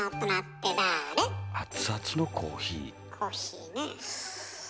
コーヒーね。